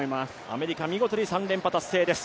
アメリカ、見事に３連覇達成です。